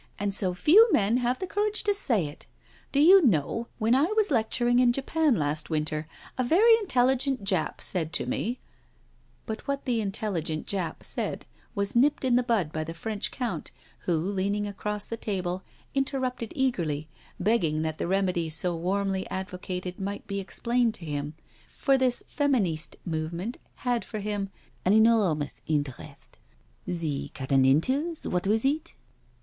" And so few men have the courage to say it I Do you know, when ;I was lecturing in Japan last winter^ a very intelligent Jap said to me ••." But what the " intelligent Jap " said, was nipped in the bud by the French Count who, leaning across the table, interrupted eagerly, begging that the remedy so warmly advocated might be explained to him, for this Feministe movement had for him " an enormous interest." The " catonninetills," what was it?